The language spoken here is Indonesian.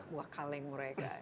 buah kaleng mereka